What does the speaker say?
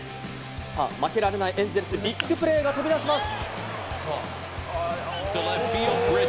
負けられないエンゼルス、ビッグプレーが飛び出します。